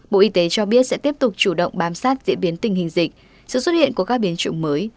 bộ y tế cho biết sẽ tiếp tục chủ động bám sát diễn biến tình hình dịch sự xuất hiện của các biến chủng mới